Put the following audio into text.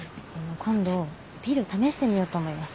今度ピル試してみようと思います。